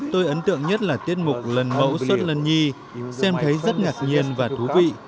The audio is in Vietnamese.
tôi ấn tượng nhất là tiết mục lần mẫu suốt lần nhi xem thấy rất ngạc nhiên và thú vị